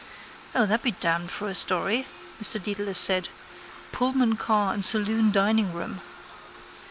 —O, that be damned for a story, Mr Dedalus said. Pullman car and saloon diningroom.